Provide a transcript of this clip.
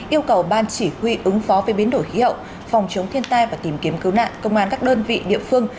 yêu cầu ban chỉ huy ứng phó với biến đổi khí hậu phòng chống thiên tai và tìm kiếm cứu nạn công an các đơn vị địa phương